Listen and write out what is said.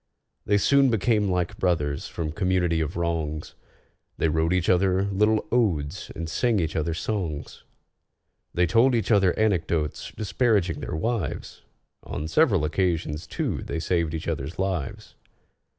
They soon became like brothers from community of wrongs: They wrote each other little odes and sang each other songs; They told each other anecdotes disparaging their wives; On several occasions, too, they saved each other's lives.